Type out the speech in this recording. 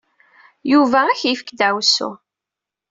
Yuba ad ak-yefk ddeɛwessu.